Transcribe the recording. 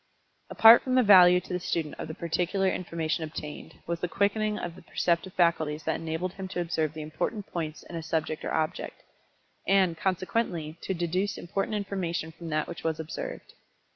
Apart from the value to the student of the particular information obtained, was the quickening of the perceptive faculties that enabled him to observe the important points in a subject or object, and, consequently to deduce important information from that which was observed.